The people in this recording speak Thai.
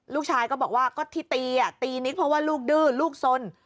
ลูกชายก็บอกว่าก็ที่ตีตีนิกเพราะว่าลูกดื้อลูกสน